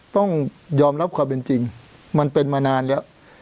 ต้องยอมรับความเป็นจริงมันเป็นมานานแล้ว